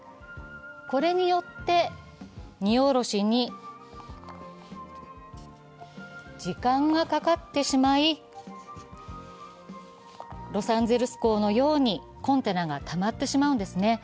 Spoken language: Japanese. これによって荷下ろしに時間がかかってしまい、ロサンゼルス港のようにコンテナがたまってしまうんですね。